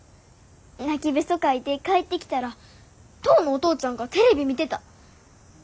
・泣きべそかいて帰ってきたら当のお父ちゃんがテレビ見てた。